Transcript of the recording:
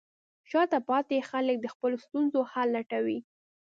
شاته پاتې خلک د خپلو ستونزو حل لټوي.